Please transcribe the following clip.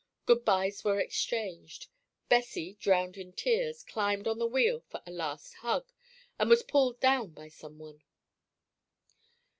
Good bys were exchanged. Bessie, drowned in tears, climbed on the wheel for a last hug, and was pulled down by some one.